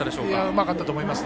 うまかったと思います。